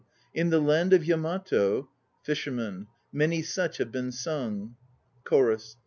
In the land of Yamato ... FISHERMAN. ... many such have been sung. CHORUS.